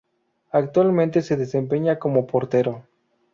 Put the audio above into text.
Actualmente se desempeña como portero.